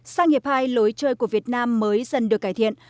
sang hiệp hai lối chơi của việt nam mới dần được cải thiện